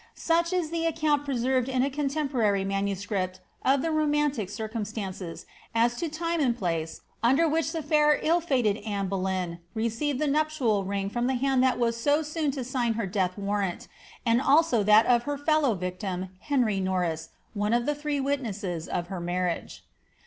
Such is the account preserved in a contemporary MS.^ of the romantic circumstances, as to time and place, under which the fiur ill fated Anne Boleyn received the nuptial ring from the hand that was so soon to sign her death warrant, and also that of her fellow victim, Henry Norris, one of the three witnesses of her marriage.